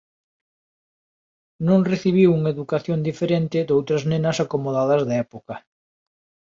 Non recibiu unha educación diferente doutras nenas acomodadas da época.